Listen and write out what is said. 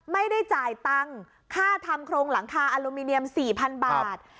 ไม่ได้จ่ายตังค่าทำโครงหลังคาอลูมิเนียม๔๐๐๐บาท